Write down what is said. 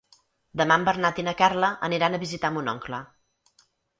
Demà en Bernat i na Carla aniran a visitar mon oncle.